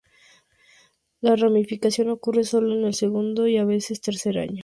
La ramificación ocurre solo en el segundo y a veces tercer año.